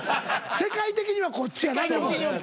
世界的にはこっちやな。